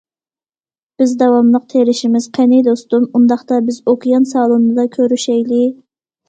بىز داۋاملىق تېرىشىمىز، قېنى دوستۇم، ئۇنداقتا بىز ئوكيان سالونىدا كۆرۈشەيلى!